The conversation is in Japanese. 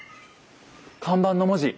看板の文字。